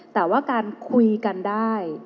แต่ว่าการคุยกันได้